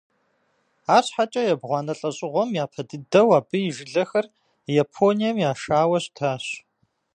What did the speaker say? Арщхьэкӏэ ебгъуанэ лӏэщӏыгъуэм япэ дыдэу абы и жылэхэр Японием яшауэ щытащ.